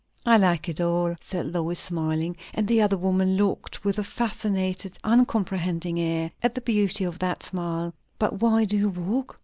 "I like it all," said Lois, smiling. And the other woman looked, with a fascinated, uncomprehending air, at the beauty of that smile. "But why do you walk?"